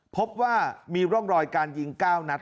พบว่ามีร่องรอยการยิง๙นัด